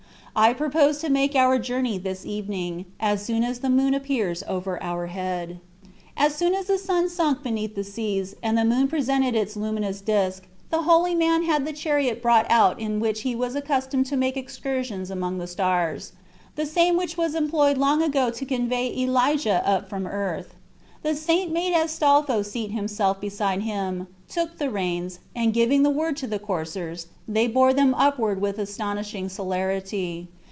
I propose to make our journey this evening, as soon as the moon appears over our head." As soon as the sun sunk beneath the seas, and the moon presented its luminous disk, the holy man had the chariot brought out in which he was accustomed to make excursions among the stars, the same which was employed long ago to convey Elijah up from earth. The saint made Astolpho seat himself beside him, took the reins, and giving the word to the coursers, they bore them upward with astonishing celerity.